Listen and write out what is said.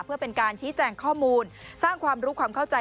เพื่อเป็นการชี้แจงข้อมูลสร้างความรู้ความเข้าใจ